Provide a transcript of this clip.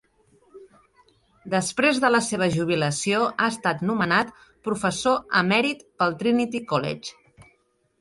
Després de la seva jubilació ha estat nomenat "Professor emèrit" pel Trinity College.